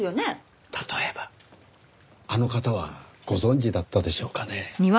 例えばあの方はご存じだったでしょうかね？